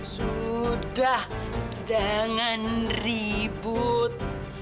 sudah jangan ribut